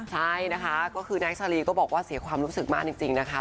ใช่นะคะก็คือแน็กซาลีก็บอกว่าเสียความรู้สึกมากจริงนะคะ